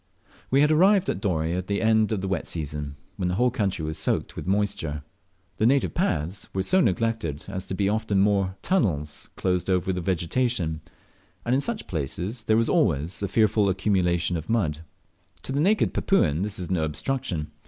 We had arrived at Dorey about the end of the wet season, when the whole country was soaked with moisture The native paths were so neglected as to be often mere tunnels closed over with vegetation, and in such places there was always a fearful accumulation of mud. To the naked Papuan this is no obstruction.